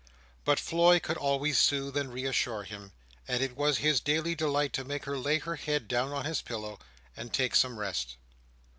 But Floy could always soothe and reassure him; and it was his daily delight to make her lay her head down on his pillow, and take some rest.